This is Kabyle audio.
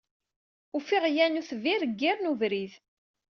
Ufiɣ yan utbir g yir n ubrid.